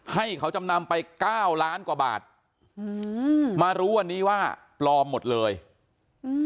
ให้เขาจำนำไปเก้าล้านกว่าบาทอืมมารู้วันนี้ว่าปลอมหมดเลยอืม